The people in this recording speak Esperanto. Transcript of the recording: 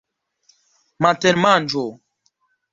matenmanĝo